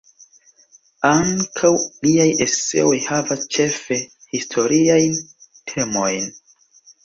Ankaŭ liaj eseoj havas ĉefe historiajn temojn.